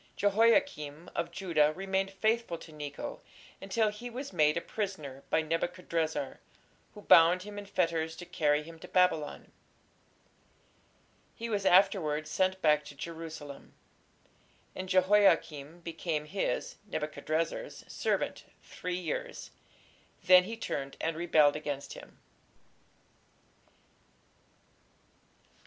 " Jehoiakim of Judah remained faithful to Necho until he was made a prisoner by Nebuchadrezzar, who "bound him in fetters to carry him to Babylon". He was afterwards sent back to Jerusalem. "And Jehoiakim became his (Nebuchadrezzar's) servant three years: then he turned and rebelled against him."